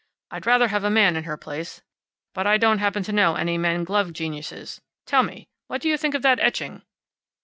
I'd rather have a man in her place; but I don't happen to know any men glove geniuses. Tell me, what do you think of that etching?"